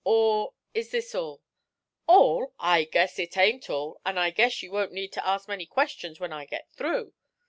Or is this all?' 'All! I guess it ain't all; an' I guess you won't need to ask many questions when I get through!'